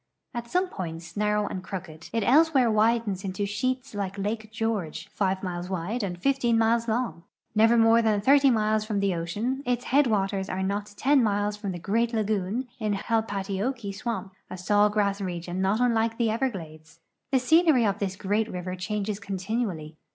At some points narrow and crooked, it elsewhere widens into sheets like lake George, 5 miles wide and 15 miles long. Never more than 30 miles from the ocean, its headwaters are not 10 miles from the great lagoon in Halpatiokee swamp, a saw grass region not unlike the Everglades. The sceneiy of this great river changes continually.